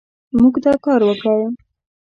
موږ دا کار وکړ